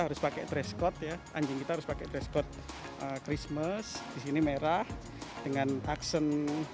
harus pakai dresscode ya anjing kita harus pakai dresscode christmas di sini merah dengan aksen